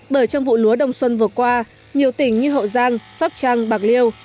bởi trong vụ lúa đông xuân vừa qua nhiều tỉnh như hậu giang sóc trăng bạc liêu